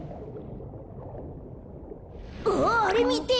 あっあれみて！